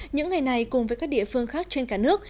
những ngày này cùng với các địa phương khác trên cả nước